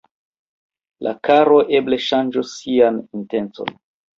La caro eble ŝanĝos sian intencon.